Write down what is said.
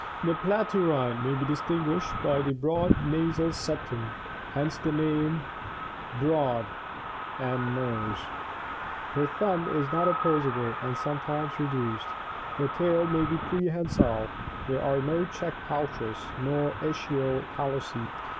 The Platyrrhini may be distinguished by the broad nasal septum (hence the name, Gr. irXa rvi, broad, and /it'?, nose); the thumb is not opposable, and sometimes reduced; the tail may be prehen sile; there are no cheek pouches nor ischial callosities.